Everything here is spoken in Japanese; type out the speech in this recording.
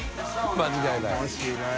間違いない。